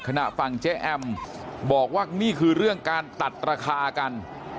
ขณะฝั่งเจ๊แอมบอกว่านี่คือเรื่องการตัดราคากัน